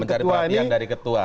mencari perhatian dari ketua